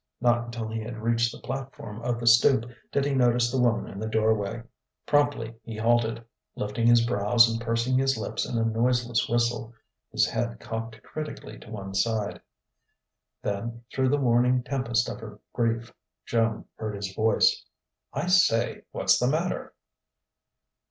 Not until he had reached the platform of the stoop did he notice the woman in the doorway. Promptly he halted, lifting his brows and pursing his lips in a noiseless whistle his head cocked critically to one side. Then through the waning tempest of her grief, Joan heard his voice: "I say! What's the matter?"